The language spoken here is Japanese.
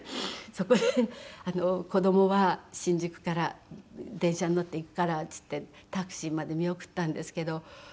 そこで子供は「新宿から電車に乗って行くから」って言ってタクシーまで見送ったんですけど。